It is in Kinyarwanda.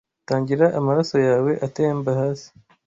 Tangira amaraso yawe atemba hasi